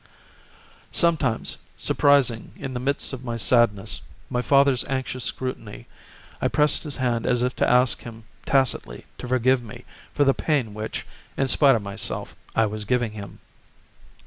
Sometimes, surprising in the midst of my sadness my father's anxious scrutiny, I pressed his hand as if to ask him tacitly to forgive me for the pain which, in spite of myself, I was giving him.